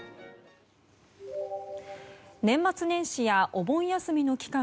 年末年始やお盆休みの期間